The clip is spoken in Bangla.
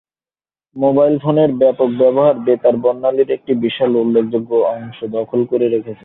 মোবাইল ফোনের ব্যাপক ব্যবহার বেতার বর্ণালীর একটি বিশাল উল্লেখযোগ্য অংশ দখল করে রেখেছে।